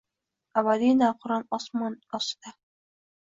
Abadiy navqiron osmon ostida.